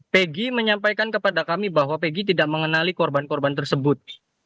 peggy menyampaikan kepada kami bahwa pegg tidak mengenali korban korban tersebut